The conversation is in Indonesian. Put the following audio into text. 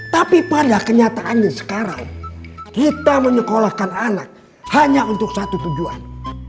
tapi pada kenyataannya sekarang kita menyekolahkan anak hanya untuk satu tujuan